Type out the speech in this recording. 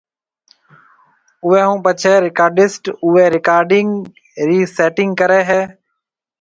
اوئي ھونپڇي رڪارڊسٽ اوئي رڪارڊنگ ري سيٽنگ ڪري ھيَََ